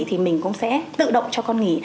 thì mình cũng sẽ tự động cho con nghỉ